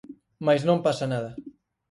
Mais non pasa nada.